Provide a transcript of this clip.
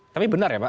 tapi benar ya pak